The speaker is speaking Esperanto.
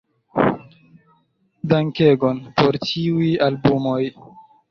Dankegon por tiuj albumoj!